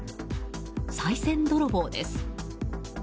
さい銭泥棒です。